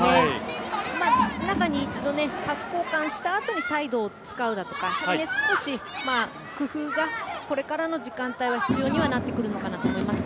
中に一度、パス交換したあとにサイドを使うだとか少し工夫がこれからの時間帯は必要にはなってくるかなと思います。